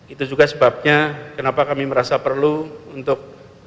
itu juga sebabnya kenapa kami merasa perlu untuk